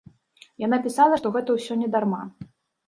Яна пісала, што гэта ўсё не дарма.